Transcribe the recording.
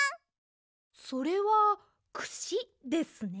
それはクシですね。